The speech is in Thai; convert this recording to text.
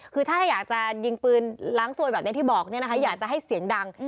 คือถ้าอยากจะยิงปืนล้างซวยแบบนี้ที่บอกอยากจะให้เสียงดัง